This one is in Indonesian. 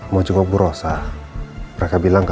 mau jengok bu rosa mereka bilang kan